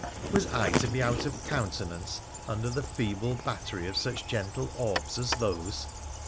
was I to be out of countenance under the feeble battery of such gentle orbs as those